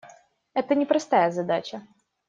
Это непростая задача.